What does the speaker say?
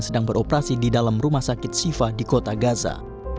sedang beroperasi di dalam rumah sakit siva di kota gaza